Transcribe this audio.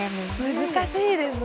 難しいですね。